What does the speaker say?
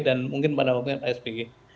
dan mungkin pada waktunya pak spg